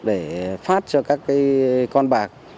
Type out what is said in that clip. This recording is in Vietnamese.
để phát cho các con bạc